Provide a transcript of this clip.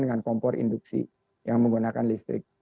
dengan kompor induksi yang menggunakan listrik